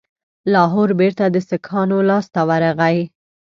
لاهور بیرته د سیکهانو لاسته ورغی.